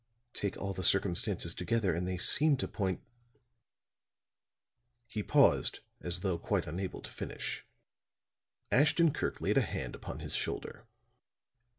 Take all the circumstances together and they seem to point " He paused as though quite unable to finish. Ashton Kirk laid a hand upon his shoulder.